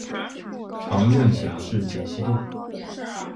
常用显示解析度